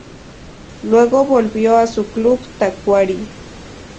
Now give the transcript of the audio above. Luego volvió a su club Tacuary.